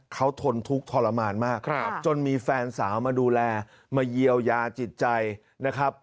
เขาทนทุกข์ทรมานมากจนมีแฟนสาวมาดูแลมาเยียวยาจิตใจนะครับ